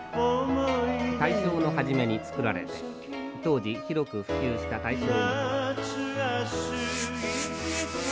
大正の初めに作られて当時、広く普及した大正琴。